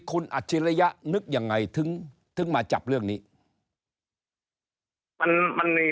คุณอาจิระยะนึกยังไงถึงถึงมาจับเรื่องนี้มันมันมี